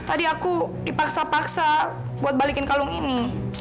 tadi aku dipaksa paksa buat balikin kalung ini